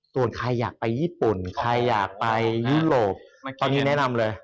ส่วนใครอยากไปญี่ปุ่นใครอยากไปยุโรปตอนนี้แนะนำเลย